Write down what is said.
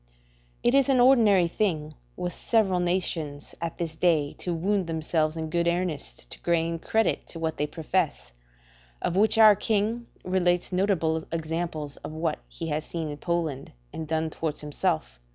It is an ordinary thing with several nations at this day to wound themselves in good earnest to gain credit to what they profess; of which our king, relates notable examples of what he has seen in Poland and done towards himself.